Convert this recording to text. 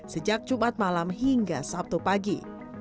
sejak jumat malam hingga sabtu pagi